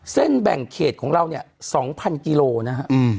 เส้นแบ่งเขตของเรา๒๐๐๐กิโลนะ